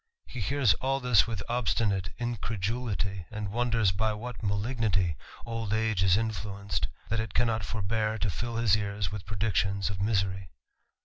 He hears all this with obstinate incredulity, and wonders by what malignity old age is influenced, that it cannot forbear to fill his ears with predictions of misery.